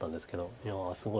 いやすごい。